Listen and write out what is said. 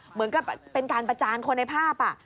เหมือนกับเป็นการประจานคนในภาพ